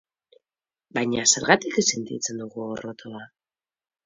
Baina zergatik sentitzen dugu gorrotoa?